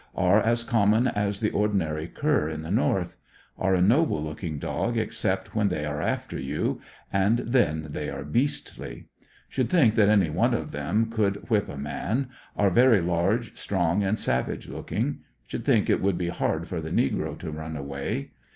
Are as common as the ordinary cur at the North. Are a noble looking dog except when they are after you, and then ANDERSONYILLE DIARY. 133 they are beastly. Should think that any one of them could whip a man ; are very large, strong, and savage looking. Should think "it would be hard for the negro to run away.